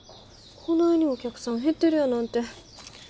こないにお客さん減ってるやなんて。